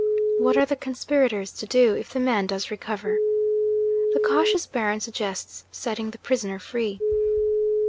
What are the conspirators to do, if the man does recover? The cautious Baron suggests setting the prisoner free.